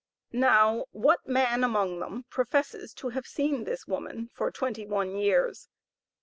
Now, what man among them, professes to have seen this woman for twenty one years?